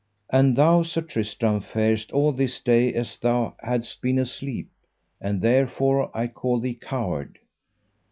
And thou, Sir Tristram, farest all this day as though thou hadst been asleep, and therefore I call thee coward.